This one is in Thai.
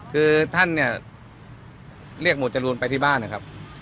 คือท่านเนี่ยเรียกหมวดจรูนไปที่บ้านนะครับ